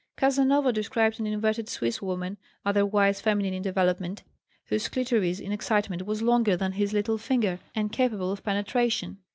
Casanova described an inverted Swiss, woman, otherwise feminine in development, whose clitoris in excitement was longer than his little finger, and capable of penetration.